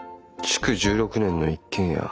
築１６年の一軒家。